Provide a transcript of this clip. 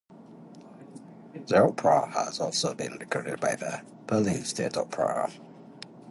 The opera has also been recorded by the Berlin State Opera.